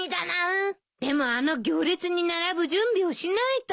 でもあの行列に並ぶ準備をしないとね。